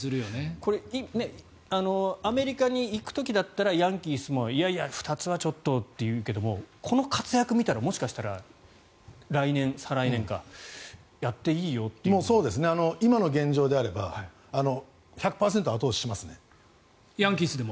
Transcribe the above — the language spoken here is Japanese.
これ、アメリカに行く時だったらヤンキースもいやいや、２つはちょっとと言うけどこの活躍を見たらもしかしたら再来年か今の現状であればヤンキースでも？